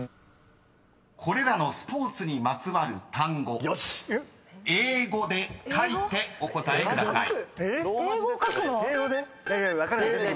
［これらのスポーツにまつわる単語英語で書いてお答えください］